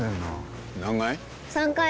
何階？